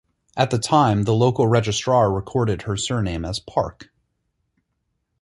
At the time the local registrar recorded her surname as Parke.